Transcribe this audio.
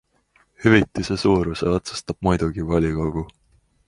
Hüvitise suuruse otsustab muidugi volikogu.